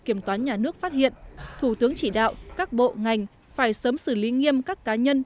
kiểm toán nhà nước phát hiện thủ tướng chỉ đạo các bộ ngành phải sớm xử lý nghiêm các cá nhân